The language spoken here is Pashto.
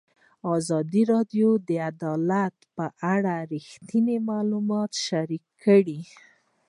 ازادي راډیو د عدالت په اړه رښتیني معلومات شریک کړي.